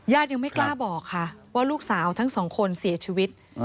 ยังไม่กล้าบอกค่ะว่าลูกสาวทั้งสองคนเสียชีวิต